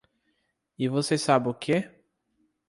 E você sabe o que?